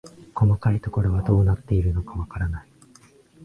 細かいところはどうなっているのかわからない